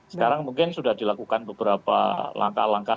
sekarang mungkin sudah dilakukan beberapa langkah langkah